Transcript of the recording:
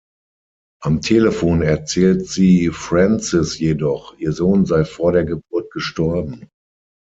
Am Telefon erzählt sie Francis jedoch, ihr Sohn sei vor der Geburt gestorben.